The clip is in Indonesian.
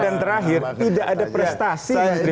dan terakhir tidak ada prestasi di pertahanannya